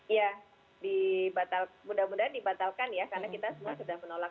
iya mudah mudahan dibatalkan ya karena kita semua sudah menolak